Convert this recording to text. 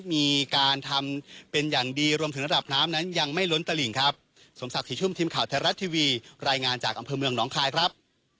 มีการทำเป็นอย่างดีรวมถึงระดับน้ำนั้นยังไม่ล้นตระหลิงครับ